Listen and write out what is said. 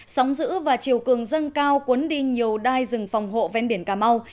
sóng giữ và chiều cường dâng cao cuốn đi nhiều đai rừng phòng hộ ven biển cà mau